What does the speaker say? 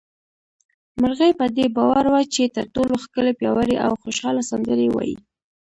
مرغۍ په دې باور وه چې تر ټولو ښکلې، پياوړې او خوشحاله سندرې وايي